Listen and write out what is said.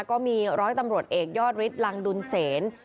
ก็มีร้อยตำรวจเอกยอดฤทธิลังดุลเสน